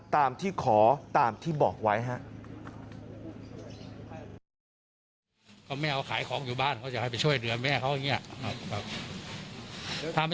ตามที่ขอตามที่บอกไว้ครับ